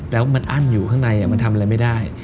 แล้วมันอั้นอยู่ข้างในมันทำอะไรไม่ได้